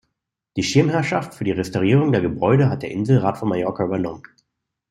Die Schirmherrschaft für die Restaurierung der Gebäude hat der Inselrat von Mallorca übernommen.